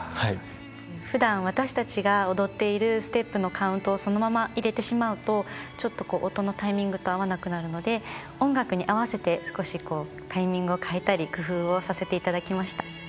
ふだん私たちが踊っているステップのカウントをそのまま入れてしまうとちょっとこう音のタイミングと合わなくなるので音楽に合わせて少しタイミングを変えたり工夫をさせていただきました。